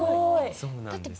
そうなんです。